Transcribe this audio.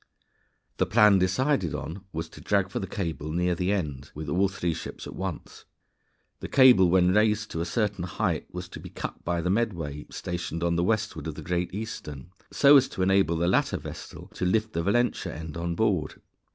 The plan decided on was to drag for the cable near the end with all three ships at once. The cable when raised to a certain height, was to be cut by the Medway stationed to the westward of the Great Eastern, so as to enable the latter vessel to lift the Valentia end on board.